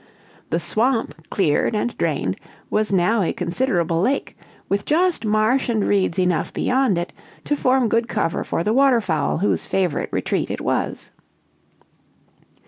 The swamp, cleared and drained, was now a considerable lake, with just marsh and reeds enough beyond it to form good cover for the waterfowl whose favorite retreat it was.